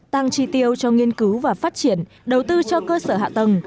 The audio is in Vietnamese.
tăng tri tiêu cho nghiên cứu và phát triển đầu tư cho cơ sở hạ tầng